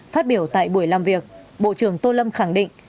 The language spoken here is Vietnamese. phát biểu tại buổi làm việc bộ trưởng tô lâm khẳng định